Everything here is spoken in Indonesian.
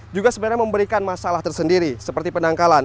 juga sebenarnya memberikan masalah tersendiri seperti penangkalan